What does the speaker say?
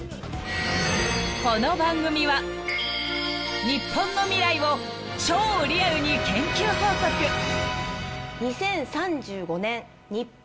［この番組は日本の未来を超リアルに研究報告］えっ！？